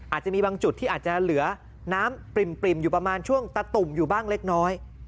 อาจจะมีบางจุดที่อาจจะเหลือน้ำปริ่มอยู่ประมาณช่วงตะตุ่มอยู่บ้างเล็กน้อย